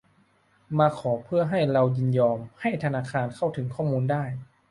มาขอเพื่อให้เรายินยอมให้ธนาคารเข้าถึงข้อมูลได้